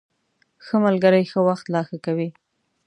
ښه ملګري ښه وخت لا ښه کوي.